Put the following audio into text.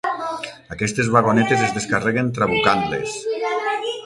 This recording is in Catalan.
Aquestes vagonetes es descarreguen trabucant-les.